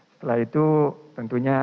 setelah itu tentunya